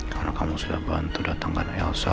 karena kamu sudah bantu datangkan elsa